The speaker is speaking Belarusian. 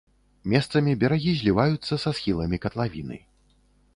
Месцамі берагі зліваюцца са схіламі катлавіны.